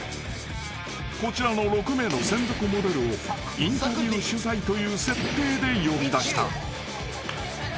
［こちらの６名の専属モデルをインタビュー取材という設定で呼び出した］